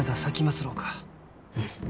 うん。